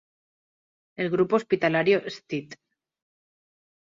El grupo hospitalario "St.